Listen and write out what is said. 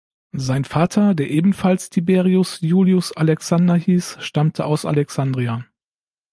Sein Vater, der ebenfalls Tiberius Iulius Alexander hieß, stammte aus Alexandria.